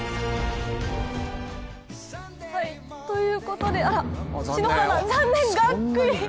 ということで、篠原アナ残念、がっくり。